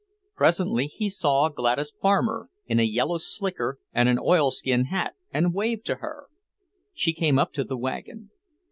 Presently he saw Gladys Farmer, in a yellow "slicker" and an oilskin hat, and waved to her. She came up to the wagon.